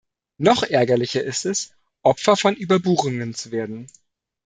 Noch ärgerlicher ist es, Opfer von Überbuchungen zu werden.